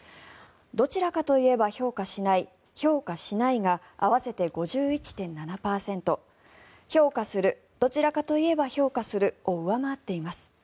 どちらかといえば評価しない評価しないが合わせて５１．７％評価するどちらかといえば評価するを上回っています。